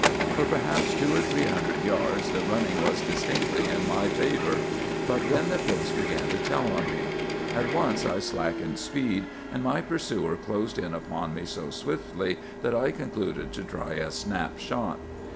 "For perhaps two or three hundred yards the running was distinctly in my favor, but then the pace began to tell on me. At once I slackened speed, and my pursuer closed in upon me so swiftly that I concluded to try a snap shot.